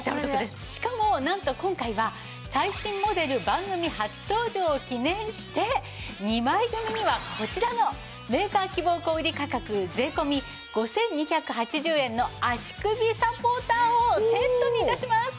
しかもなんと今回は最新モデル番組初登場を記念して２枚組にはこちらのメーカー希望小売価格税込５２８０円の足首サポーターをセットに致します！